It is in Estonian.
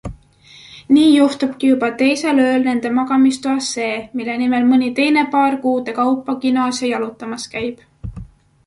Nii juhtubki juba teisel ööl nende magamistoas see, mille nimel mõni teine paar kuude kaupa kinos ja jalutamas käib.